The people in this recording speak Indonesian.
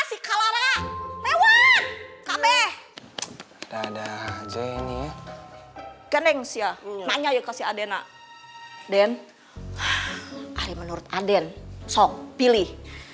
sip pv da dah jein genengs ya maknya yang several anen areas menurut aden sok pilih